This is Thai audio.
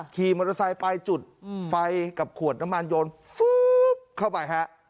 ขี่มอเตอร์ไซค์ไปจุดไฟกับขวดน้ำมันโยนฟื๊บเข้าไปฮะ